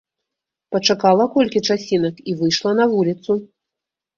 Пачакала колькі часінак і выйшла на вуліцу.